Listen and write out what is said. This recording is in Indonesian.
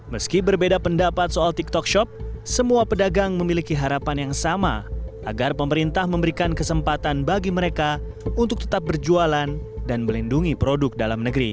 meski berbeda pendapat soal tiktok shop semua pedagang memiliki harapan yang sama agar pemerintah memberikan kesempatan bagi mereka untuk tetap berjualan dan melindungi produk dalam negeri